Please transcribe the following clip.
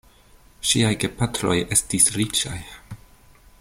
Ŝiaj gepatroj estis riĉaj.